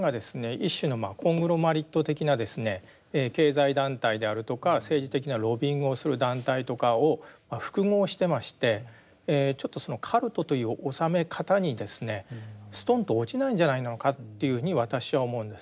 一種のコングロマリット的な経済団体であるとか政治的なロビイングをする団体とかを複合してましてちょっとそのカルトという収め方にですねストンと落ちないんじゃないのかというふうに私は思うんですね。